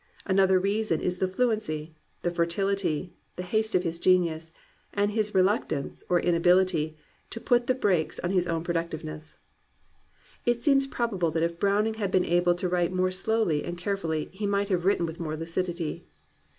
Another reason is the fluency, the fertility, the haste of his genius, and his reluctance, or inabil ity, to put the brakes on his own productiveness. It seems probable that if Browning had been able to write more slowly and carefully he might have written with more lucidity.